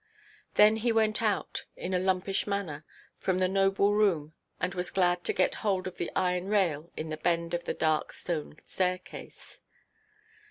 Then he went out, in a lumpish manner, from the noble room, and was glad to get hold of the iron rail in the bend of the dark stone staircase.